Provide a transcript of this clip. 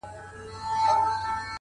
لونگيه دا خبره دې سهې ده؛